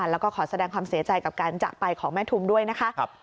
แล้วก็ขอแสดงความเสียใจกับการจากไปของแม่ทุมด้วยนะคะ